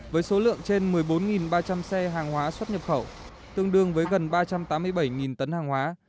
với số lượng trên một mươi bốn ba trăm linh xe hàng hóa xuất nhập khẩu tương đương với gần ba trăm tám mươi bảy tấn hàng hóa